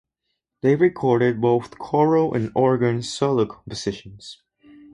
They recorded both choral and organ solo compositions.